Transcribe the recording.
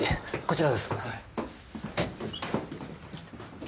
こちらです。